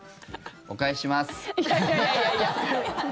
お返しします。